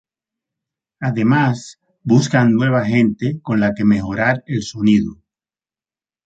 Además buscan nueva gente con la que mejorar el sonido.